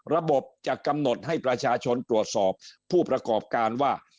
ระบบจะกำหนดให้ประชาชนตรวจสอบผู้ประกอบการว่า